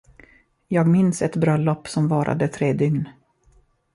Jag minns ett bröllop som varade tre dygn.